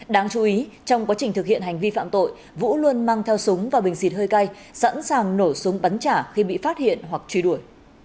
đáng chú ý trong quá trình thực hiện hành vi phạm tội vũ luôn mang theo súng và bình xịt hơi cay sẵn sàng nổ súng bắn trả khi bị phát hiện hoặc truy đuổi